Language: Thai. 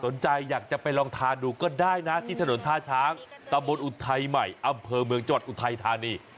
สนใจอยากจะไปลองทานดูก็ได้นะที่ถนนท่าช้างตะบนอุทัยใหม่อำเภอเมืองจังหวัดอุทัยธานี